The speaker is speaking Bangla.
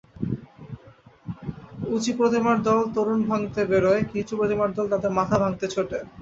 উঁচু-প্রতিমার দল তোরণ ভাঙতে বেরোয়, নিচু-প্রতিমার দল তাদের মাথা ভাঙতে ছোটে।